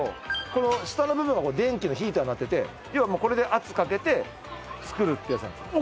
この下の部分が電気のヒーターになってて要はこれで圧かけて作るってやつなんですよ